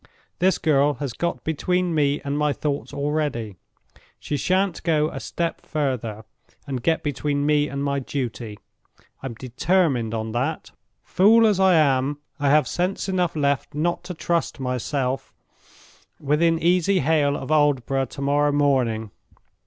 This girl has got between me and my thoughts already: she shan't go a step further, and get between me and my duty. I'm determined on that. Fool as I am, I have sense enough left not to trust myself within easy hail of Aldborough to morrow morning.